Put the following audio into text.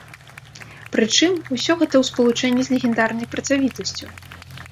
Прычым, усё гэта ў спалучэнні з легендарнай працавітасцю.